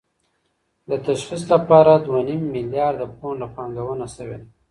د تشخیص لپاره دوه نیم میلیارد پونډه پانګونه شوې ده.